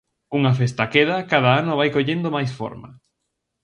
Unha festa queda cada ano vai collendo máis forma.